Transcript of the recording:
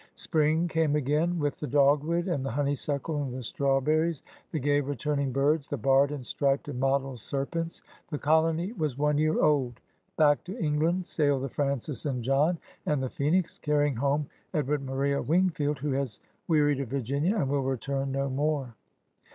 Spring came again with the dogwood and the honeysuckle and the strawberries, the gay, return ing birds, the barred and striped and mottled ser pents. The colony was one year old. Back to England safled the Francis and John and the Phcmix, carrying home Edward Maria Wingfield, who has wearied of Virginia and wiU return no more.